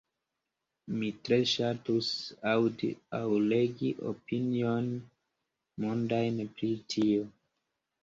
Mi tre ŝatus aŭdi aŭ legi opiniojn mondajn pri tio...